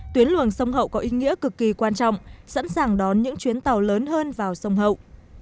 tuyến luồng sông hậu có ý nghĩa cực kỳ quan trọng sẵn sàng đón những chuyến tàu lớn hơn vào sông hậu